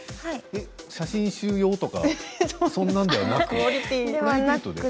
写真集用とかそんなんではなく？